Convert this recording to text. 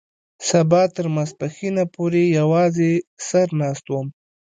سبا تر ماسپښينه پورې يوازې سر ناست وم.